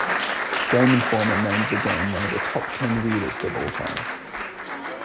"Game Informer" named the game one of the top ten weirdest of all time.